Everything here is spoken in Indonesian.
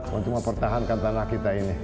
mau cuma pertahankan tanah kita ini